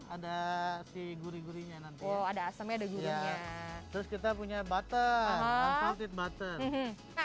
ada si gurih gurihnya nanti ada asamnya ada gurihnya terus kita punya button southeat button